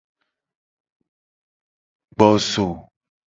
Gbo zo.